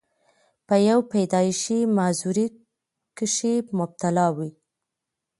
پۀ يو پېدائشي معذورۍ کښې مبتلا وي،